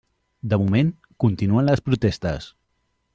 De moment, continuen les protestes.